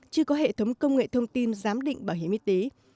chưa có hệ thống công nghệ thông tin giám định bảo hiểm y tế